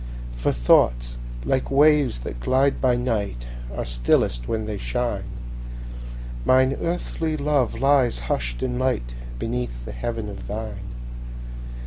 For thoughts, like waves that glide by night, Are stillest when they shine; Mine earthly love lies hush'd in lightBeneath the heaven of thine.